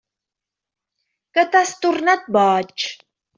Que t'has tornat boig?